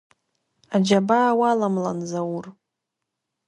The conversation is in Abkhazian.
Аџьабаа уаламлан, Заур.